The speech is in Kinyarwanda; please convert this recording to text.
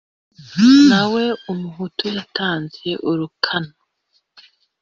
na we umuhutu yatanze urukano,